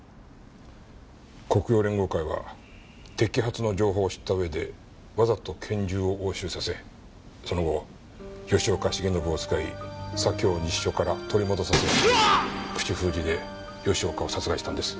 黒洋連合会は摘発の情報を知った上でわざと拳銃を押収させその後吉岡繁信を使い左京西署から取り戻させ口封じで吉岡を殺害したんです。